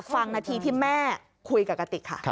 นาทีที่แม่คุยกับกะติกค่ะ